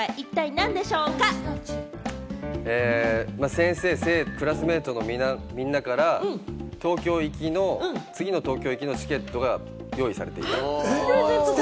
先生、クラスメートのみんなから、次の東京行きのチケットが用意されていた。